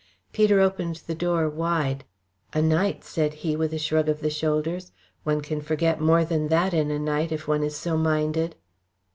Peter opened the door wide. "A night!" said he, with a shrug of the shoulders. "One can forget more than that in a night, if one is so minded."